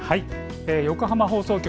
横浜放送局